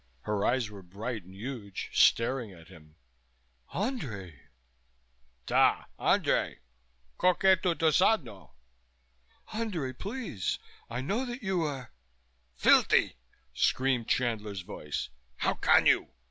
Her eyes were bright and huge, staring at him. "Andrei!" "Da, Andrei! Kok eto dosadno!" "Andrei, please. I know that you are " "Filthy!" screamed Chandler's voice. "How can you?